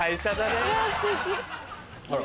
あら。